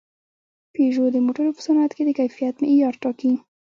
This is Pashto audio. پيژو د موټرو په صنعت کې د کیفیت معیار ټاکي.